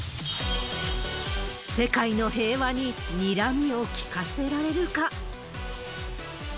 世界の平和に、にらみを利かせられるか。